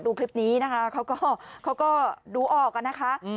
ดูออกอะนะคะ